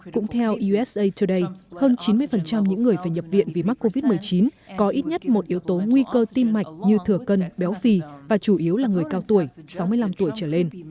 cũng theo usa today hơn chín mươi những người phải nhập viện vì mắc covid một mươi chín có ít nhất một yếu tố nguy cơ tim mạch như thừa cân béo phì và chủ yếu là người cao tuổi sáu mươi năm tuổi trở lên